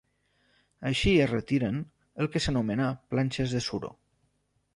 Així es retiren el que s'anomena planxes de suro.